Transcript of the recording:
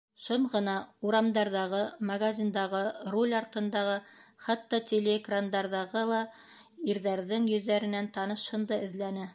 Шым ғына урамдарҙағы, магазиндағы, руль артындағы, хатта телеэкрандарҙағы ла ирҙәрҙең йөҙҙәренән таныш һынды эҙләне.